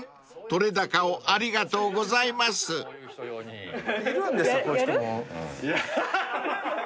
撮れ高をありがとうございます］やる？